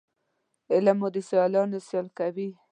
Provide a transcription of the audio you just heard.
علم مو د سیالانو سیال کوي